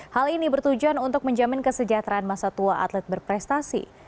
hal ini bertujuan untuk menjamin kesejahteraan masa tua atlet berprestasi